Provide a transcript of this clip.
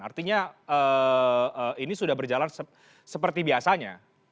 artinya ini sudah berjalan seperti biasanya